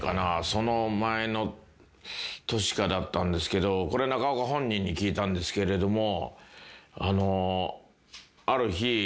その前の年かだったんですけどこれ中岡本人に聞いたんですけれども。